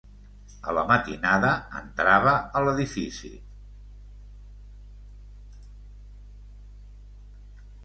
A la matinada, entrava a l’edifici.